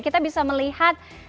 kita bisa melihat